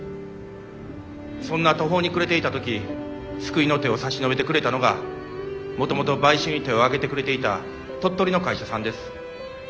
そんな途方に暮れていた時救いの手を差し伸べてくれたのがもともと買収に手を挙げてくれていた鳥取の会社さんです。